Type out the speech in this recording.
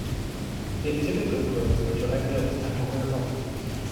It typically grows in dry hills at moderate altitudes.